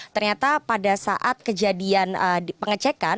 ternyata pada saat kejadian pengecekan